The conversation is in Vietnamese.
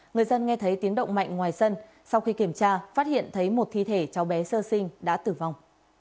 người dân nghe thấy tiếng động mạnh ngoài sân sau khi kiểm tra phát hiện thấy một thi thể cháu bé sơ sinh đã tử vong